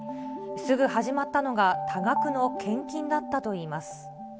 すぐ始まったのが、多額の献金だったといいます。